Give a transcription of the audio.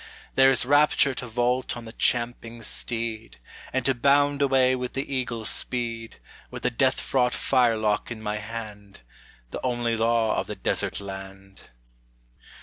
There is rapture to vault on the champing steed, And to bound away with the eagle's speed, With the death fraught firelock in my hand, The only law of the Desert Land!